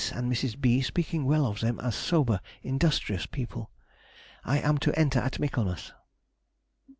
and Mrs. B. speaking well of them as sober, industrious people), I am to enter at Michaelmas.